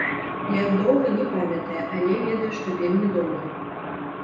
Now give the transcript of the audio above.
Як доўга, не памятае, але ведае, што вельмі доўга.